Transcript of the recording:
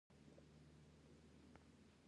انار د ټولو افغان ښځو په ژوند کې هم یو رول لري.